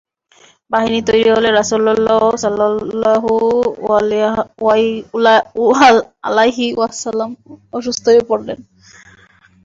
বাহিনী তৈরী হলে রাসূলুল্লাহ সাল্লাল্লাহু আলাইহি ওয়াসাল্লাম অসুস্থ হয়ে পড়লেন।